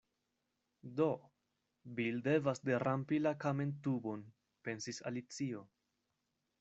“Do, Bil devas derampi la kamentubon,” pensis Alicio.